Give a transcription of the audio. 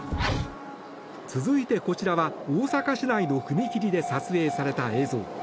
続いてこちらは大阪市内の踏切で撮影された映像。